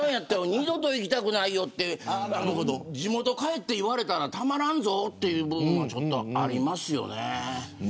二度と行きたくないよって地元、帰って言われたらたまらんぞという部分はありますよね。